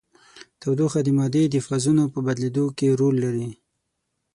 تودوخه د مادې د فازونو په بدلیدو کې رول لري.